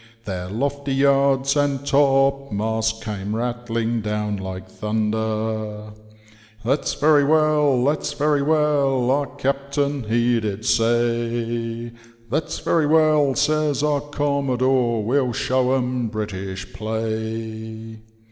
Their lofty yards and topmasts came rattling down like thunder. * ThaVs very well I that's very well I * our captain he did say ;* That's very well I ' says our commodore, * we'U show *em British play.